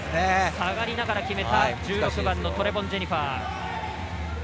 下がりながら決めた１６番、トレボン・ジェニファー。